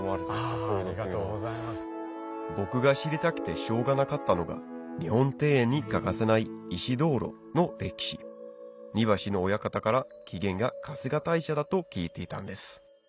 僕が知りたくてしょうがなかったのが日本庭園に欠かせない石燈籠の歴史庭師の親方から起源が春日大社だと聞いていたんです